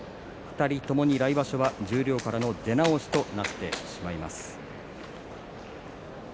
２人ともに来場所は十両からの出直しとなってしまいます。